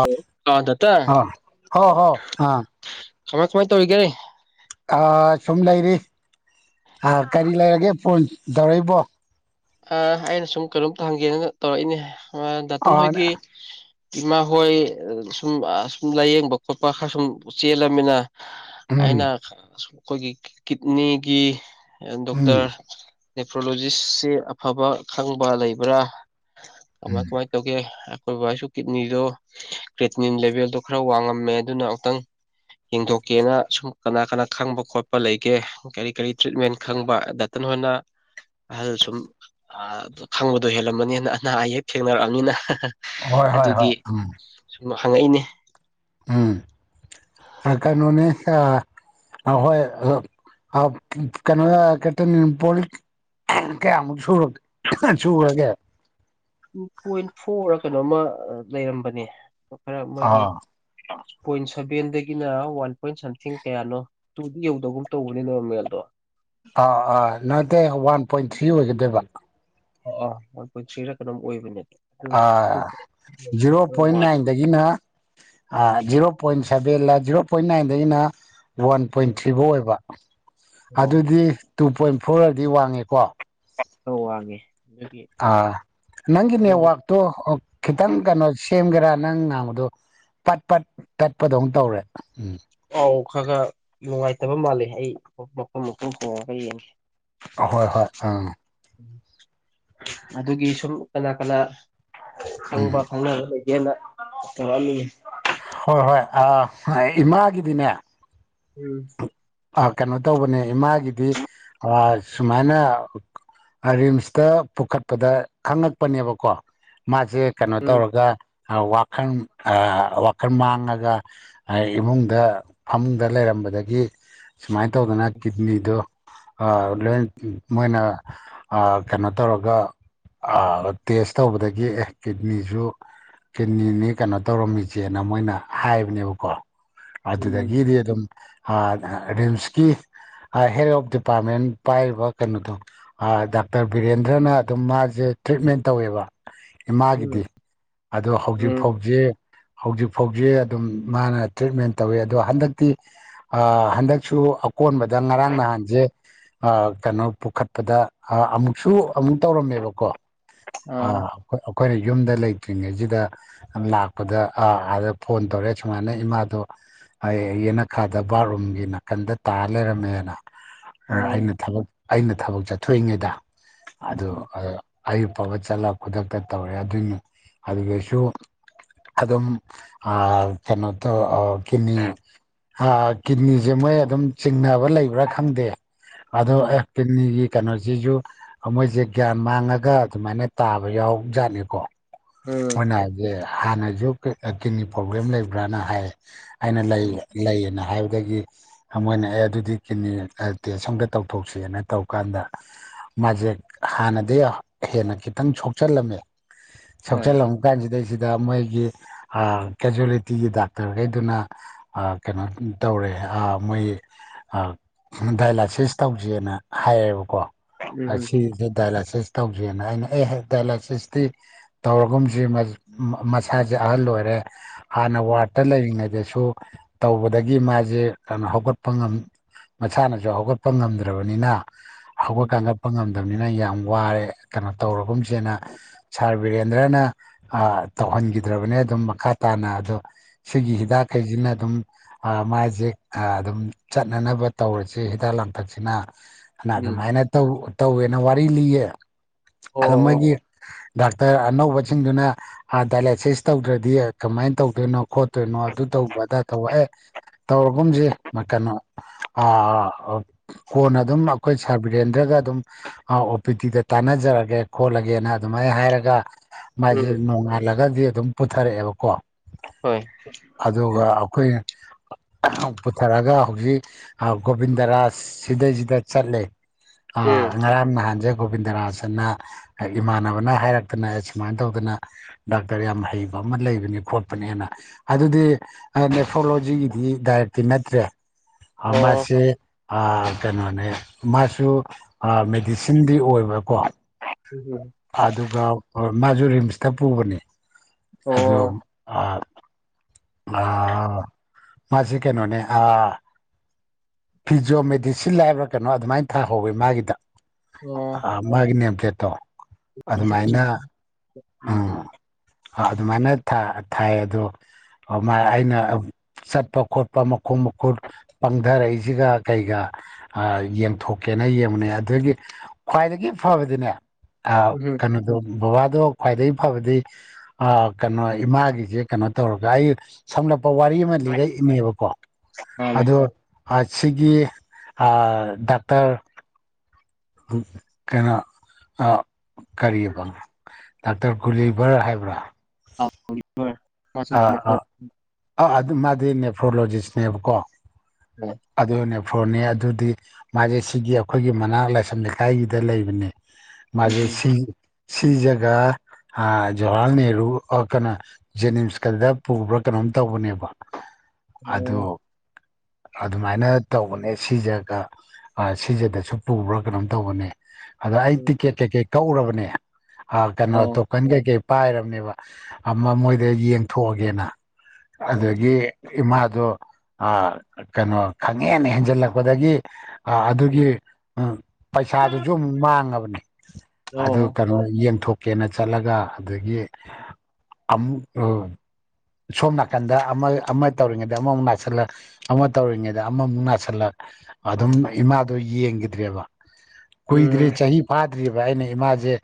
ꯑ ꯑꯥ ꯗꯥꯇꯟ ꯑ ꯍ ꯍꯣ ꯑꯥ ꯀꯃꯥꯏ ꯀꯃꯥꯏꯅ ꯇꯧꯔꯤꯒꯦ ꯁꯨꯝ ꯂꯩꯔꯤ ꯀꯔꯤ ꯂꯩꯔꯒꯦ ꯐꯣꯟ ꯇꯧꯔꯛꯏꯕꯣ ꯍꯥꯡꯒꯦꯅ ꯇꯧꯔꯛꯏꯅꯦ ꯗꯥꯇꯟ ꯑꯥ ꯍꯣꯏꯒꯤ ꯏꯃꯥ ꯍꯣꯏ ꯁꯨꯝ ꯁꯨꯝ ꯂꯥꯏꯌꯦꯡꯕ ꯈꯣꯠꯄ ꯈꯔ ꯁꯨꯝ ꯆꯦꯜꯂꯝꯃꯤꯅ ꯎꯝ ꯑꯩꯅ ꯑꯩꯈꯣꯏꯒꯤ ꯀꯤꯠꯅꯤꯒꯤ ꯎꯝ ꯗꯣꯛꯇꯔ ꯅꯦꯐ꯭ꯔꯣꯂꯣꯖꯤꯁꯁꯤ ꯑꯐꯕ ꯈꯪꯕ ꯂꯩꯕ꯭ꯔꯥ ꯀꯃꯥꯏ ꯀꯃꯥꯏꯅ ꯇꯧꯒꯦ ꯑꯩꯈꯣꯏꯕꯁꯨ ꯀꯤꯠꯅꯤꯗꯣ ꯀꯦꯇꯅꯤꯝ ꯂꯦꯚꯦꯜꯗꯣ ꯈꯔ ꯋꯥꯡꯉꯝꯃꯦ ꯑꯗꯨꯅ ꯑꯃꯨꯛꯇꯪ ꯌꯦꯡꯊꯣꯛꯀꯦꯅ ꯁꯨꯝ ꯀꯅꯥ ꯀꯅꯥ ꯈꯪꯕ ꯈꯣꯠꯄ ꯂꯩꯒꯦ ꯀꯔꯤ ꯀꯔꯤ ꯇ꯭ꯔꯤꯠꯃꯦꯟ ꯈꯪꯕ ꯅ ꯑꯍꯜ ꯁꯨꯝ ꯈꯪꯕꯗꯣ ꯍꯦꯜꯂꯝꯃꯅꯤꯅ ꯑꯅꯥ ꯑꯌꯦꯛ ꯊꯦꯡꯅꯔꯛꯑꯕꯅꯤꯅ ꯍꯣꯏ ꯍꯣꯏ ꯍꯣꯏ ꯎꯝ ꯑꯗꯨ ꯍꯪꯉꯛꯏꯅꯦ ꯎꯝ ꯑ ꯍꯣꯏ ꯀꯩꯅꯣ ꯀꯇ ꯄꯣ ꯀꯌꯥꯃꯨꯛ ꯁꯨꯔꯦ ꯁꯨꯔꯒꯦ ꯇꯨ ꯄꯣꯏꯟ ꯐꯣꯔ ꯀꯩꯅꯣꯃ ꯂꯩꯔꯝꯕꯅꯦ ꯈꯔ ꯃꯣꯏꯒꯤ ꯑꯥ ꯄꯣꯏꯟ ꯁꯚꯦꯟꯗꯒꯤꯅ ꯋꯥꯟ ꯄꯣꯏꯟ ꯁꯝꯊꯤꯡ ꯀꯌꯥꯅꯣ ꯇꯨꯗꯤ ꯌꯧꯗꯒꯨꯝ ꯇꯧꯕꯅꯤꯅꯣ ꯃꯦꯜꯗꯣ ꯑꯥ ꯑꯥ ꯅꯠꯇꯦ ꯋꯥꯟ ꯄꯣꯏꯟ ꯊ꯭ꯔꯤ ꯑꯣꯏꯒꯗꯣꯏꯕ ꯑ ꯑꯥ ꯃ ꯄꯨꯟꯁꯤꯔ ꯀ ꯑꯗꯨꯝ ꯑꯣꯏꯕꯅꯦ ꯑꯥ ꯖꯤꯔꯣ ꯄꯣꯏꯟ ꯅꯥꯏꯟꯗꯒꯤꯅ ꯖꯤꯔꯣ ꯄꯣꯏꯟ ꯁꯚꯦꯟꯖꯤꯔꯣ ꯄꯣꯏꯟ ꯅꯥꯏꯟꯗꯒꯤꯅ ꯋꯥꯟ ꯄꯣꯏꯟ ꯊ꯭ꯔꯤ ꯐꯧ ꯑꯣꯏꯕ ꯈꯔ ꯑꯗꯨꯗꯤ ꯇꯨ ꯄꯣꯏꯟ ꯐꯣꯔꯗꯤ ꯋꯥꯡꯉꯦꯀꯣ ꯍ ꯋꯥꯉꯦ ꯑꯥ ꯅꯪꯒꯤ ꯅꯦꯠꯋꯥꯛꯇꯣ ꯈꯤꯇꯪ ꯀꯩꯅꯣ ꯁꯦꯝꯒꯦꯔꯥ ꯅꯪ ꯉꯥꯡꯕꯗꯣ ꯄꯠ ꯄꯠ ꯇꯠꯄꯗꯧꯅ ꯇꯧꯔꯦ ꯎꯝ ꯄꯥꯎ ꯈꯔ ꯈꯔ ꯅꯨꯡꯉꯥꯏꯇꯕ ꯃꯥꯜꯂꯦ ꯑꯩ ꯃꯐꯝ ꯃꯨꯝ ꯍꯣꯡꯉꯒ ꯌꯦꯡꯒꯦ ꯍꯣꯏ ꯍꯣꯏ ꯑꯥ ꯑꯗꯨꯒꯤ ꯁꯨꯝ ꯀꯅꯥ ꯀꯅꯥ ꯎꯝ ꯈꯪꯕ ꯈꯪ ꯌꯦꯅ ꯍꯣꯏ ꯍꯣꯏ ꯏꯃꯥꯒꯤꯗꯤꯅꯦ ꯎꯝ ꯀꯩꯅꯣ ꯇꯧꯕꯅꯦ ꯏꯃꯥꯒꯤꯗꯤ ꯁꯨꯃꯥꯏꯅ ꯔꯤꯝꯁꯇ ꯄꯨꯈꯠꯄꯗ ꯈꯪꯉꯛꯄꯅꯦꯕꯀꯣ ꯃꯥꯁꯦ ꯀꯩꯅꯣ ꯎꯝ ꯇꯧꯔꯒ ꯋꯥꯈꯜ ꯋꯥꯈꯜ ꯃꯥꯡꯉꯒ ꯏꯃꯨꯡꯗ ꯐꯃꯨꯡꯗ ꯂꯩꯔꯝꯕ ꯝꯕꯗꯒꯤ ꯁꯨꯃꯥꯏꯅ ꯇꯧꯗꯅ ꯀꯤꯠꯅꯤꯗꯣ ꯂꯣꯏ ꯃꯣꯏꯅ ꯀꯩꯅꯣ ꯇꯧꯔꯒ ꯇꯦꯁ ꯇꯧꯕꯗꯒꯤ ꯑꯦ ꯀꯤꯗꯅꯤꯁꯨ ꯀꯤꯠꯅꯤꯅꯤ ꯀꯩꯅꯣ ꯇꯧꯔꯝꯃꯤꯆꯦꯅ ꯃꯣꯏꯅ ꯍꯥꯏꯕꯅꯦꯕꯀꯣ ꯑꯗꯨꯗꯒꯤꯗꯤ ꯑꯗꯨꯝ ꯔꯤꯝꯁꯀꯤ ꯍꯦꯠ ꯑꯣꯐ ꯗꯤꯄꯥꯔꯠꯃꯦꯟ ꯄꯥꯏꯔꯤꯕ ꯀꯩꯅꯣꯗꯣ ꯗꯥꯛꯇꯔ ꯕꯤꯔꯦꯟꯗ꯭ꯔꯅ ꯑꯗꯨꯝ ꯃꯥꯁꯦ ꯇ꯭ꯔꯤꯠꯃꯦꯟ ꯇꯧꯋꯦꯕ ꯏꯃꯥꯒꯤꯗꯤ ꯎꯝ ꯎꯝ ꯑꯗꯣ ꯍꯧꯖꯤꯛ ꯎꯝ ꯐꯥꯎꯁꯤ ꯍꯧꯖꯤꯛ ꯐꯥꯎꯖꯤ ꯑꯗꯨꯝ ꯃꯥꯅ ꯇ꯭ꯔꯤꯠꯃꯦꯟ ꯇꯧꯋꯤ ꯑꯗꯣ ꯍꯟꯗꯛꯇꯤ ꯍꯟꯗꯛꯁꯨ ꯑꯀꯣꯟꯕꯗ ꯉꯔꯥꯡ ꯅꯍꯥꯟꯁꯦ ꯀꯩꯅꯣ ꯄꯨꯈꯠꯄꯗ ꯑꯃꯨꯛꯁꯨ ꯑꯃꯨꯛ ꯇꯧꯔꯝꯃꯦꯕꯀꯣ ꯑ ꯑꯥ ꯑꯩꯈꯣꯏꯅ ꯌꯨꯝꯗ ꯂꯩꯇ꯭ꯔꯤꯉꯩꯁꯤꯗ ꯂꯥꯛꯄꯗ ꯑꯥ ꯑꯥꯗ ꯐꯣꯟ ꯇꯧꯔꯦ ꯁꯨꯃꯥꯏꯅ ꯏꯃꯥꯗꯣ ꯍꯥꯏ ꯌꯦꯅꯛꯈꯥꯗ ꯕꯥꯔꯔꯣꯝꯒꯤ ꯅꯥꯀꯟꯗ ꯇꯥ ꯂꯩꯔꯝꯃꯦꯅ ꯑꯣ ꯑꯩꯅ ꯊꯕꯛ ꯑꯩꯅ ꯊꯕꯛ ꯆꯠꯊꯣꯛꯏꯉꯩꯗ ꯑꯗ ꯎꯝ ꯑ ꯑꯌꯨꯛ ꯄꯕ ꯆꯠꯂꯒ ꯈꯨꯗꯛꯇ ꯇꯧꯔꯦ ꯑꯗꯨꯅꯤ ꯑꯗꯨꯁꯨ ꯑꯗꯨꯝ ꯑ ꯀꯩꯅꯣ ꯀꯅꯤ ꯑ ꯀꯅꯤ ꯁꯦ ꯃꯣꯏ ꯑꯗꯨꯝ ꯆꯤꯡꯅꯕ ꯂꯩꯕ꯭ꯔꯥ ꯈꯪꯗꯦ ꯑꯗꯣ ꯎꯝ ꯀꯤꯅꯤꯒꯤ ꯀꯩꯅꯣꯁꯤꯁꯨ ꯃꯣꯏꯁꯦ ꯒ꯭ꯌꯥꯟ ꯃꯥꯡꯉꯒ ꯑꯗꯨꯃꯥꯏꯅ ꯇꯥꯕ ꯌꯥꯎ ꯖꯥꯠꯅꯤꯀꯣ ꯎꯝ ꯃꯣꯏꯅꯁꯦ ꯍꯥꯟꯅꯁꯨ ꯀꯤꯠꯅꯤ ꯄ꯭ꯔꯣꯕ꯭ꯂꯦꯝ ꯂꯩꯕ꯭ꯔꯅ ꯍꯥꯏ ꯍꯥꯏꯅ ꯂꯩ ꯂꯩꯌꯦꯅ ꯍꯥꯏꯕꯗꯒꯤ ꯃꯣꯏꯅ ꯑꯦ ꯑꯗꯨꯗꯤ ꯀꯤꯅꯤ ꯇꯦ ꯁꯣꯝꯗ ꯇꯧꯊꯣꯛꯁꯤꯅ ꯇꯧꯀꯥꯟꯗ ꯃꯥꯁꯦ ꯍꯥꯟꯅꯗꯤ ꯍꯦꯟꯅ ꯈꯤꯇꯪ ꯁꯣꯛꯆꯤꯜꯂꯝꯃꯦ ꯍꯣꯏ ꯁꯣꯛꯆꯤꯜꯂꯝꯕ ꯀꯥꯟꯁꯤꯗꯩꯁꯤꯗ ꯗ ꯃꯣꯏꯒꯤ ꯀꯦꯖꯨꯋꯦꯂꯤꯇꯤꯒꯤ ꯗꯥꯛꯇꯔꯈꯩꯗꯨꯅ ꯀꯩꯅꯣ ꯇꯧꯔꯦ ꯃꯣꯏ ꯗꯥꯏꯂꯥꯁꯤꯁ ꯇꯧꯁꯦꯅ ꯍꯥꯏꯌꯦꯕ ꯀꯣ ꯎꯝ ꯑꯁꯤ ꯁꯤꯁꯦ ꯗꯥꯏꯂꯁꯤꯁ ꯇꯧꯖꯦꯅ ꯑꯩꯅ ꯑꯦ ꯗꯥꯏꯂꯥꯏꯁꯤꯁꯇꯤ ꯇꯧꯔꯒꯨꯝꯁ ꯃꯁꯥꯁꯦ ꯑꯍꯜ ꯑꯣꯏꯔꯦ ꯍꯥꯟꯅ ꯎꯝ ꯋꯥꯔꯗꯠꯇ ꯂꯩꯔꯤꯉꯩꯗꯁꯨ ꯇꯧꯕꯗꯒꯤ ꯃꯥꯁꯦ ꯀꯣ ꯍꯧꯒꯠꯄ ꯉ ꯃꯁꯥꯅꯁꯨ ꯍꯧꯒꯠꯄ ꯉꯝꯗ꯭ꯔꯕꯅꯤꯅ ꯍꯧꯒꯠ ꯀꯥꯡꯒꯠꯄ ꯉ ꯕꯅꯤꯅ ꯌꯥꯝ ꯋꯥꯔꯦ ꯀꯩꯅꯣ ꯇꯧꯔꯒꯨꯝꯁꯦꯅ ꯁꯥꯔ ꯕꯤꯔꯦꯟꯗ꯭ꯔꯅ ꯇꯧ ꯐꯟꯈꯤꯗ꯭ꯔꯕꯅꯦ ꯑꯗꯨꯝ ꯃꯈꯥ ꯇꯥꯅ ꯑꯗꯣ ꯁꯤꯒꯤ ꯍꯤꯗꯥꯛꯈꯩꯁꯤꯅ ꯑꯗꯨꯝ ꯃꯥꯁꯦ ꯑꯗꯨꯝ ꯆꯠꯅꯅꯕ ꯇꯧꯔꯁꯤ ꯍꯤꯗꯥꯛ ꯂꯥꯡꯊꯛꯁꯤꯅꯅ ꯎꯝ ꯑꯗꯨꯃꯥꯏꯅ ꯇꯧ ꯇꯧꯋꯦꯅ ꯋꯥꯔꯤ ꯂꯤꯌꯦ ꯑꯣ ꯑꯗ ꯃꯣꯏꯒꯤ ꯗꯥꯛꯇꯔ ꯑꯅꯧꯕꯁꯤꯡꯗꯨꯅ ꯗꯥꯏꯂꯥꯏꯁꯤꯁ ꯇꯧꯗ꯭ꯔꯗꯤ ꯀꯃꯥꯏꯅ ꯇꯧꯗꯣꯏꯅꯣ ꯈꯣꯠꯇꯣꯏꯅꯣ ꯑꯗꯨ ꯇꯧꯕ ꯑꯗꯥ ꯇꯧꯕ ꯑꯦ ꯇꯧ ꯑꯨꯝꯁꯦ ꯀꯩꯅꯣ ꯀꯣꯟꯅ ꯑꯗꯨꯝ ꯑꯩꯈꯣꯏ ꯁꯥꯔꯕꯤꯔꯦꯟꯗ꯭ꯔꯒ ꯑꯗꯨꯝ ꯑꯣ ꯄꯤ ꯇꯤꯗ ꯇꯥꯟꯅꯖꯔꯒꯦ ꯈꯣꯠꯂꯒꯦꯅ ꯑꯗꯨꯃꯥꯏꯅ ꯍꯥꯏꯔꯒ ꯃꯥꯁꯦ ꯎꯝ ꯅꯣꯡꯉꯥꯜꯂꯒꯗꯤ ꯑꯗꯨꯝ ꯄꯨꯊꯔꯛꯑꯦꯕꯀꯣ ꯍꯣꯏ ꯑꯗꯨꯒ ꯑꯩꯈꯣꯏ ꯄꯨꯊꯔꯒ ꯍꯧꯖꯤꯛ ꯒꯣꯕꯤꯟꯗ ꯔꯥꯖ ꯁꯤꯗꯩꯁꯤꯗ ꯆꯠꯂꯦ ꯑ ꯎꯝ ꯉꯔꯝꯅ ꯍꯥꯏꯥꯟꯖꯦ ꯒꯣꯕꯤꯟꯗ ꯔꯥꯖꯟꯅ ꯏꯃꯥꯟꯅꯕꯅ ꯍꯥꯏꯔꯛꯇꯅ ꯁꯨꯃꯥꯏꯅ ꯇꯧꯗꯅ ꯗꯥꯛꯇꯔ ꯌꯥꯝ ꯍꯩꯕ ꯂꯩ ꯈꯣꯠꯄꯅꯦꯅ ꯑꯗꯨꯗꯤ ꯅꯦꯣꯂꯣ ꯗꯥꯏꯔꯛꯇꯤ ꯅꯠꯇ꯭ꯔꯦ ꯑꯣ ꯃꯥꯁ ꯀꯩꯅꯣꯅꯦ ꯃꯥꯁꯨ ꯃꯦꯗꯤꯁꯤꯟꯗꯤ ꯑꯣꯏꯕꯀꯣ ꯎꯝ ꯑꯗꯨꯒ ꯃꯥꯁꯨ ꯔꯤꯝꯁꯇ ꯄꯨꯕꯅꯤ ꯑꯣ ꯑꯗ ꯑ ꯑ ꯃꯥꯁꯤ ꯀꯩꯅꯣꯅꯦ ꯑꯥ ꯐꯤꯖꯤꯣ ꯃꯦꯗꯤꯁꯤꯟ ꯂꯕ꯭ꯔꯥ ꯀꯩꯅꯣ ꯑꯗꯨꯃꯥꯏꯅ ꯊꯥꯍꯧꯋꯤ ꯃꯥꯒꯤꯗ ꯑꯣ ꯑ ꯃꯥꯒꯤ ꯅꯦꯝꯇꯦꯠꯇꯣ ꯑꯗꯨꯃꯥꯏꯅ ꯎꯝ ꯑꯗꯨꯃꯥꯏꯅ ꯊꯥꯏ ꯑꯗꯣ ꯑꯩꯅ ꯆꯠꯄ ꯈꯣꯠꯄ ꯃꯈꯣꯡ ꯃꯈꯨꯠ ꯄꯪꯊꯔꯛꯏꯁꯤꯒ ꯀꯩꯒ ꯌꯦꯡꯊꯣꯛꯀꯦ ꯌꯦꯡꯕꯅꯦ ꯑꯗꯨꯒꯤ ꯈ꯭ꯋꯥꯏꯗꯒꯤ ꯐꯕꯗꯤꯅꯦ ꯎꯝ ꯀꯩꯅꯣꯗꯣ ꯕꯕꯥꯗꯣ ꯈ꯭ꯋꯥꯏꯗꯒꯤ ꯐꯕꯗꯤ ꯀꯩꯅꯣ ꯏꯃꯥꯒꯤꯁꯦ ꯀꯩꯅꯣ ꯇꯧꯔꯒ ꯑꯩ ꯁꯝꯂꯞ ꯋꯥꯔꯤ ꯑꯃ ꯂꯤꯔꯛꯏꯅꯦꯕꯀꯣ ꯃꯥꯅꯦ ꯑꯗꯣ ꯁꯤꯒꯤ ꯗꯥꯛꯇꯔ ꯀꯩꯅ ꯑ ꯀꯔꯤꯌꯦꯕ ꯗꯥꯛꯇꯔ ꯒꯨꯂꯤꯚꯔ ꯍꯥꯏꯕ꯭ꯔꯥ ꯑꯣ ꯑ ꯑꯗꯨ ꯃꯥꯗꯤ ꯅꯦꯐ꯭ꯔꯣꯂꯣꯖꯤꯁꯅꯦꯕꯀꯣ ꯑꯗꯨ ꯐꯣꯔꯅꯦ ꯑꯗꯨꯗꯤ ꯃꯥꯁꯦ ꯁꯤꯒꯤ ꯑꯩꯈꯣꯏꯒꯤ ꯃꯅꯥꯛ ꯂꯥꯏꯁꯝ ꯂꯩꯀꯥꯏꯒꯤꯗ ꯂꯩꯕꯅꯦ ꯃꯥꯒꯤꯦ ꯑꯣ ꯑꯣ ꯎꯝ ꯁꯤ ꯁꯤꯖꯒꯥ ꯑ ꯖꯋꯥꯍꯔꯂꯥꯜ ꯅꯦꯍꯔꯨ ꯑꯣ ꯀꯅ ꯖꯅꯤꯝꯁ ꯀꯗ ꯄꯨ ꯀꯅ ꯇꯧꯕꯅꯦꯕ ꯑ ꯑꯗꯨꯃꯥꯏꯅ ꯇꯧꯕꯅꯦ ꯁꯤꯖꯒ ꯁꯤꯖꯗꯁꯨ ꯄꯨꯕ꯭ꯔꯥ ꯀꯩꯅꯣꯝ ꯇꯧꯕꯅꯤ ꯑꯗꯣ ꯑꯩ ꯇꯤꯀꯦꯠ ꯀꯩꯀꯩ ꯀꯛꯎꯔꯕꯅꯦ ꯀꯩꯅꯣ ꯇꯣꯀꯟ ꯀꯩꯀꯩ ꯄꯥꯏꯔꯕꯅꯦꯕ ꯑꯃ ꯃꯣꯏꯗ ꯌꯦꯡꯊꯣꯛꯑꯒꯦꯅ ꯑꯗꯨꯗꯒꯤ ꯏꯃꯥꯗꯣ ꯀꯩꯅꯣ ꯈꯪꯍꯦꯅ ꯍꯦꯟꯖꯜꯂꯛꯄꯗꯒꯤ ꯑꯗꯨꯒꯤ ꯄꯩꯁꯥꯗꯨꯁꯨ ꯑꯃꯨꯛ ꯃꯥꯡꯉꯕꯅꯤ ꯑꯗꯨ ꯀꯩꯅꯣ ꯌꯦꯡꯊꯣꯛ ꯀꯦꯅ ꯆꯠꯂꯒ ꯑꯗꯒꯤ ꯑꯃꯨꯛ ꯁꯣꯝ ꯅꯥꯀꯟꯗ ꯑꯃ ꯑꯃ ꯇꯧꯔꯤꯉꯩꯗ ꯑꯃꯃꯨꯛ ꯅꯥꯁꯤꯜꯂ ꯑꯃ ꯇꯧꯔꯤꯉꯩꯗ ꯑꯃꯃꯨꯛ ꯅꯥꯁꯤꯜꯂ ꯑꯗꯨꯝ ꯏꯃꯥꯗꯣ ꯌꯦꯡꯈꯤꯗ꯭ꯔꯦꯕ ꯎꯝ ꯀꯨꯏꯗ꯭ꯔꯦ ꯆꯍꯤꯥ ꯆꯠꯇ꯭ꯔꯤꯕ ꯑꯩꯅ ꯏꯃꯥꯁꯦ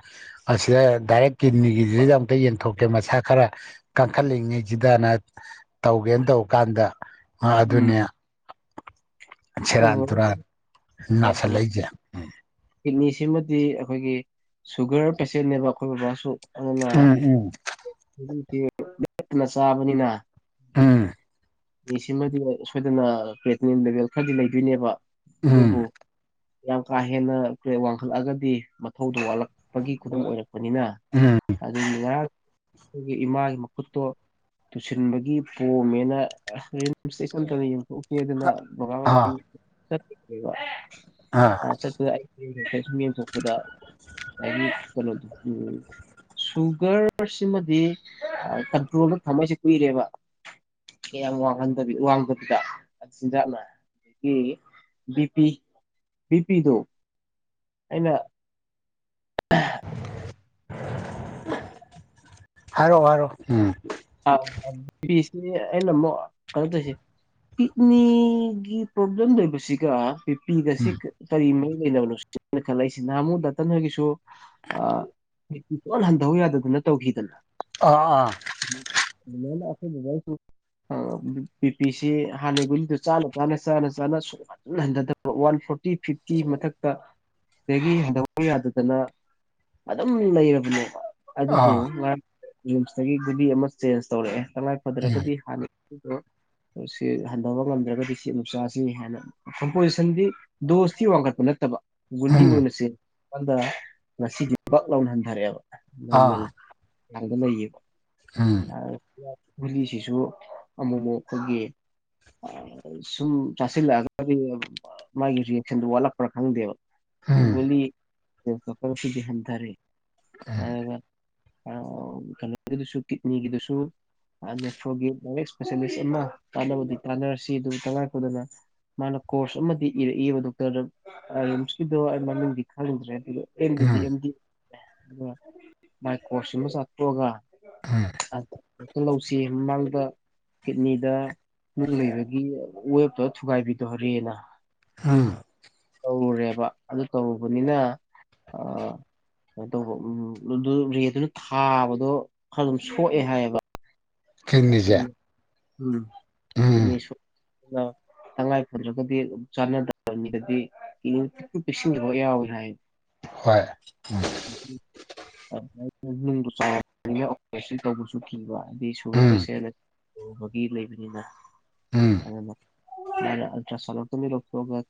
ꯑꯁꯤꯗ ꯗꯥꯏꯔꯦꯛ ꯀꯤꯠꯅꯤꯒꯤꯁꯤꯗ ꯑꯃꯨꯛꯇ ꯌꯦꯟꯊꯣꯛꯀꯦ ꯃꯁꯥ ꯈꯔ ꯀꯟꯈꯠꯂꯤꯉꯩꯁꯤꯗꯅ ꯇꯧꯒꯦꯅ ꯇꯧꯕ ꯀꯥꯟꯗ ꯑꯗꯨꯅꯦ ꯩꯅ ꯁꯦꯔꯥꯟ ꯇꯨꯔꯥꯟ ꯅꯥꯁꯤꯜꯂꯛꯏꯁꯦ [unintelligible] [inaudible] ꯁꯤꯃꯗꯤ ꯑꯩꯈꯣꯏꯒꯤ ꯁꯨꯒꯔ ꯄꯦꯁꯦꯟꯅꯦꯕ ꯑꯩꯈꯣꯏ ꯕꯕꯥꯁꯨ ꯑꯗꯨꯅ ꯎꯝ ꯎꯝ ꯆꯛꯅ ꯆꯥꯕꯅꯤꯅ ꯎꯝ ꯑꯦ ꯁꯤꯃꯗꯤ ꯁꯣꯏꯗꯅ ꯄꯦꯠꯅꯤ ꯂꯦꯚꯦꯜ ꯈꯔꯗꯤ ꯂꯩꯗꯣꯏꯅꯦꯕ ꯎꯝ ꯑꯗꯨꯕꯨ ꯌꯥꯝ ꯀꯥ ꯍꯦꯟꯅ ꯀ ꯋꯥꯡꯈꯠꯂꯒꯗꯤ ꯃꯊꯧꯗꯣ ꯋꯥꯠꯂꯛꯄꯒꯤ ꯈꯨꯗꯝ ꯑꯣꯏꯔꯛꯄ ꯅꯤꯅ ꯎꯝ ꯑꯗꯨ ꯉꯥꯏꯍꯥꯛ ꯑꯩꯈꯣꯏꯒꯤ ꯏꯃꯥꯒꯤ ꯃꯈꯨꯠꯇꯣ ꯇꯨꯁꯤꯟꯕꯒꯤ ꯄꯣꯝꯃꯦꯅ ꯔꯤꯝꯁ ꯏꯁꯆꯝꯇꯅ ꯌꯦꯡꯊꯣꯛꯀ ꯑꯗꯨꯅ ꯕꯉꯥꯕ ꯑꯥ ꯑꯥ ꯆꯠꯄꯗ ꯑꯩ ꯁꯨꯝ ꯌꯦꯡꯊꯣꯛꯄꯗ ꯆꯂꯣꯗꯝ ꯁꯨꯒꯔꯁꯤꯃꯗꯤ ꯀꯟꯇ꯭ꯔꯣꯜꯗ ꯊꯝꯃꯩꯁꯦ ꯀꯨꯏꯔꯦꯕ ꯀꯌꯥꯝ ꯋꯥꯡꯍꯟꯗꯕꯤ ꯋꯥꯡꯕꯗꯨꯗ ꯑꯗꯨꯆꯤꯟꯖꯥꯛꯅ ꯑꯗꯒꯤ ꯕꯤ ꯄꯤ ꯕꯤ ꯄꯤꯗꯨꯣ ꯑꯩꯅ ꯍꯥꯏꯔꯣ ꯍꯥꯏꯔꯣ ꯎꯝ ꯑꯁꯤ ꯑꯩꯅ ꯑꯃꯨꯛ ꯀꯩꯅꯗꯣꯏꯁꯤꯦ ꯀꯤꯠꯅꯤꯒꯤ ꯄ꯭ꯔꯣꯕ꯭ꯂꯦꯝ ꯂꯩꯣꯏꯕꯁꯤꯒ ꯄꯕꯤꯄꯤꯒꯁꯤ ꯎꯝ ꯀꯔꯤ ꯅꯣꯅ ꯈꯜꯂꯛꯏꯁꯤ ꯅꯍꯥꯃꯨꯗꯇ ꯅꯣꯏꯒꯤꯁꯨ ꯛꯇꯤ ꯂꯅ ꯍꯟꯊꯧ ꯌꯥꯗꯗꯅ ꯇꯧꯈꯤꯗꯅ ꯑꯥ ꯑꯥ ꯑꯗꯨꯥꯏ ꯉꯥꯏ [unintelligible] [inaudible] ꯕꯤ ꯄꯤꯁꯤ ꯍꯥꯟꯅꯒꯤꯒꯨꯂꯤꯗꯨ ꯆ ꯆ ꯆꯅ ꯁꯨꯡꯍꯟ ꯍꯟꯊꯕ ꯋꯥꯟ ꯐ ꯐꯣꯔꯇꯤ ꯐꯤꯐꯇꯤ ꯃꯊꯛꯇ ꯁꯤꯗꯒꯤ ꯍꯟꯊꯧꯕ ꯌꯥꯗꯗꯅ ꯑꯗꯨꯝ ꯂꯩꯔꯕꯅꯦꯕ ꯑꯗꯨꯕꯨ ꯑꯥ ꯉꯥꯡ ꯔꯤꯝꯁꯇꯒꯤ ꯨꯕꯤ ꯑꯃ ꯆꯦꯟꯖ ꯇꯧꯔꯛꯑꯦ ꯇꯉꯥꯏ ꯑꯥ ꯐꯗ꯭ꯔꯒꯗꯤ ꯍꯥꯟꯅ ꯀ꯭ꯔ ꯁꯤ ꯍꯟꯊꯕ ꯉꯝꯗ꯭ꯔꯒꯗꯤ ꯁꯤ ꯑꯃꯛ ꯆꯥꯁꯤꯅꯤ ꯍꯥꯏꯅ ꯀꯝꯄꯣꯖꯤꯁꯟꯗꯤ ꯗꯣꯁꯇꯤ ꯋꯥꯡꯈꯠꯄ ꯅꯠꯇꯕ ꯎꯝ ꯒꯨꯂꯤ ꯎꯝ ꯑꯣꯏꯅꯁꯦꯥꯟꯗ ꯉꯁꯤꯗꯤ ꯄꯛ ꯂꯥꯎꯅ ꯍꯟꯊꯔꯛꯑꯦꯕ ꯜ ꯑꯥ ꯑ ꯑꯗꯨ ꯅ ꯎꯝ ꯑ [unintelligible] [inaudible] ꯒꯨꯂꯤꯁꯤꯁꯨ ꯑꯃꯨꯛꯨꯛ ꯑꯩꯈꯣꯏꯒꯤ ꯁꯨꯝ ꯆꯥꯁꯤꯜꯂꯛꯑꯒꯗꯤ ꯃꯥꯒꯤ ꯔꯤꯌꯦꯁꯟꯗꯨ ꯋꯥꯠꯂꯛꯄ꯭ꯔꯥ ꯈꯪꯗꯦꯕ ꯎꯝ ꯁꯀ ꯐꯗꯤ ꯍꯟꯇꯥꯔꯦ ꯀꯩꯅꯣꯒꯤꯗꯨꯁꯨ ꯀꯤꯠꯅꯤꯒꯤꯗꯨꯁꯨ ꯅꯦꯐ꯭ꯔꯣꯒꯤ ꯂꯥꯏꯔꯤꯛ ꯏꯁꯄꯦꯁꯦꯂꯤꯁ ꯑꯃ ꯇꯥꯟꯅꯕꯗꯤ ꯇꯥꯟꯅꯔꯁꯤ ꯑꯗꯨ ꯇꯉꯥꯏ ꯐꯗꯅ ꯃꯥꯅ ꯀꯣꯔꯁ ꯑꯃꯗꯤ ꯏꯔꯛꯏꯕ ꯗꯣꯛꯇꯔ ꯔꯤꯝꯁꯀꯤꯗꯣ ꯑꯩ ꯃꯃꯤꯡꯗꯤ ꯈꯪꯅꯤꯡꯗ꯭ꯔꯦ ꯑꯗꯨ ꯑꯦꯝꯗꯤꯗꯤ ꯎꯝ ꯑꯦꯝꯗꯤ ꯑ ꯃꯥꯏ ꯀꯣꯔꯣꯁ ꯑꯃ ꯆꯠꯇꯣꯛꯑꯒ ꯂꯧꯁꯤ ꯃꯃꯥꯡꯗ ꯀꯤꯠꯅꯤꯗ ꯅꯨꯡ ꯂꯩꯕꯒꯤ ꯋꯦꯞꯇꯣ ꯊꯨꯒꯥꯏꯕꯤꯗꯧꯣꯔꯦꯅ ꯑꯥ [inaudible] [inaudible] ꯇꯧꯔꯨꯔꯦꯕ ꯑꯗꯨ ꯇꯧꯔꯨꯕꯅꯤꯅ ꯑ ꯀꯩꯅ ꯇꯧꯕ ꯎꯝ ꯑꯗꯨ ꯔꯦꯠꯇꯨꯅ ꯊꯥꯕꯗꯣ ꯈꯔ ꯑꯗꯨꯝ ꯁꯣꯛꯑꯦ ꯍꯥꯏꯌꯦꯕ ꯀꯡꯅꯤꯖꯦ ꯎꯝ ꯁ [unintelligible] ꯇꯉꯥꯏ ꯐꯗ꯭ꯔꯒꯗꯤ ꯑꯗꯨ ꯆꯥꯟꯅꯗꯕꯅꯤꯗꯗꯤ ꯄꯤꯛꯁꯤꯟꯕ ꯌꯥꯎꯋꯤ ꯍꯥꯏ ꯍꯣꯏ ꯎ [inaudible] ꯆ ꯑꯣꯄꯔꯦꯁꯟ ꯇꯧꯕꯁꯨ ꯀꯤꯕ ꯍꯥꯏꯗꯤ ꯁꯨꯒꯔ ꯎꯝ ꯄꯦꯁꯦꯟ ꯂꯕꯒꯤ ꯂꯩꯕꯅꯤꯅ ꯎꯝ ꯑꯗꯨꯅ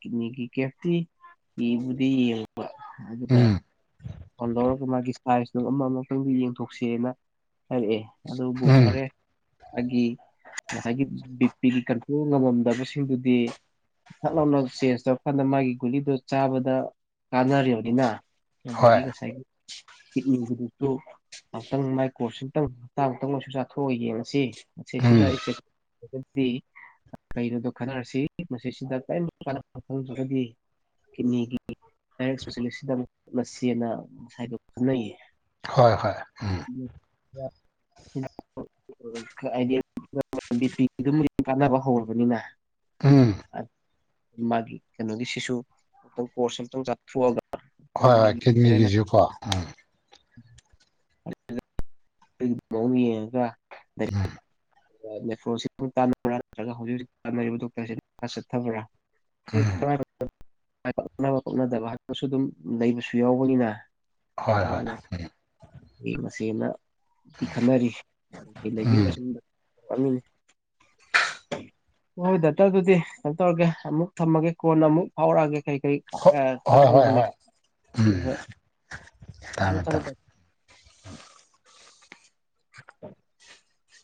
ꯆꯂꯔꯣꯣꯒꯤ ꯀꯦꯇꯤꯕꯨ ꯎꯝ ꯐꯗꯔ ꯀꯥ ꯍꯥꯏꯔꯤꯁꯤ ꯑꯗꯨꯝ ꯑꯃ ꯑꯃꯈꯪꯗꯤ ꯌꯦꯡꯊꯣꯛꯁꯦꯅ ꯍꯥꯏꯔꯛꯑꯦ ꯑꯗꯨꯕꯨ ꯎꯝ ꯐꯔꯦ ꯑꯩꯒꯤ ꯉꯁꯥꯏꯒꯤ ꯕꯤ ꯄꯤꯒꯤ ꯀꯟꯇ꯭ꯔꯣꯜ ꯉꯝꯃꯝꯗꯕꯁꯤꯡꯗꯨꯗꯤ ꯊꯠ ꯂꯥꯎꯅ ꯆꯦꯟꯖ ꯇꯧꯔꯀꯥꯟꯗ ꯃꯥꯒꯤ ꯒꯨꯂꯤꯗꯨ ꯆꯥꯕꯗ ꯀꯥꯟꯅꯔꯤꯕꯅꯤꯅ ꯃꯖꯒꯤ ꯍꯣꯏ ꯀꯁꯥꯏ ꯀꯤꯠꯅꯤꯒꯤꯗꯛꯇ ꯑꯃꯨꯛꯇꯪ ꯃꯥꯏꯀꯣꯔꯁ ꯑ ꯑꯃꯨꯛꯇꯪ ꯍꯞꯇꯥꯥꯡ ꯑꯃꯨꯛꯇꯪ ꯑꯣꯏꯁꯨ ꯆꯥꯊꯣꯛꯑꯒ ꯌꯦꯡꯉꯁꯤ ꯦ ꯎꯝ ꯁꯤꯗꯗꯤ ꯀꯩꯅꯣꯗꯣ ꯈꯟꯅꯔꯁꯤ ꯃꯁꯤꯁꯤꯗ ꯀꯔꯤ ꯀꯥꯟꯣ ꯈꯪꯗ꯭ꯔꯒꯗꯤ ꯀꯤꯅꯤꯒꯤ ꯂ ꯆꯁꯤꯁꯤꯗ ꯃꯁꯤꯦꯅ ꯉꯁꯥꯏꯗ ꯈꯪꯅꯩꯌꯦ ꯍꯣꯏ ꯍꯣꯏ ꯎꯝ ꯍꯥꯏꯗꯤ ꯕꯤ ꯄꯤ ꯀꯥꯟꯅꯕ ꯍꯧꯔꯕꯅꯤꯅ ꯎꯝ ꯃꯥꯒꯤ ꯀꯩꯅꯣꯒꯤ ꯁꯤꯁꯨ ꯑꯛꯇꯪ ꯀꯣꯔꯁ ꯑꯛꯇꯪ ꯆꯠꯊꯣꯛꯑꯒ ꯍꯣꯏ ꯍꯣꯏ ꯀꯤꯠꯅꯤꯒꯤꯁꯨꯀꯣ ꯎꯝ ꯑꯣ ꯌꯦꯡꯉꯒ ꯎꯝ ꯭ꯔꯣ꯭ꯔꯥ ꯅꯠꯇ꯭ꯔꯒ ꯍꯧꯖꯤꯛ ꯍꯧꯖꯤꯛ ꯇꯥꯟꯅꯔꯤꯕ ꯗꯣꯛꯇꯔꯁꯤ ꯆꯠꯊꯕ꯭ꯔꯥ ꯀꯃꯉ ꯄꯛꯅꯕ ꯀꯣꯠꯅꯗꯕ ꯍꯄꯁꯨ ꯑꯗꯨꯝ ꯂꯩꯕꯁꯨ ꯌꯥꯎꯕꯅꯤꯅ ꯑ ꯍꯣꯏ ꯍꯣꯏ ꯃꯁꯤꯁꯅ ꯈꯟꯅꯔꯤ ꯂꯩꯦ ꯎꯝ ꯁꯃꯤ ꯍ ꯍꯣꯏ ꯗꯥꯛꯇꯔ ꯑꯗꯨꯗꯤ ꯀꯩꯅꯣ ꯇꯧꯔꯒꯦ ꯑꯃꯨꯛ ꯊꯝꯃꯒꯦ ꯀꯣꯟꯅ ꯑꯃꯨꯛ ꯐꯥꯎꯔꯛꯑꯒꯦ ꯀꯩ ꯀꯔꯤ ꯑ ꯈꯕꯦ ꯎ ꯍꯣꯏ ꯎꯝ ꯊꯝꯃꯦ ꯊꯝꯃꯦ ꯊꯝ [inaudible]